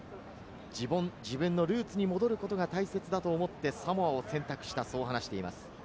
自分のルーツに戻ることが大切だと思ってサモアを選択したと話しています。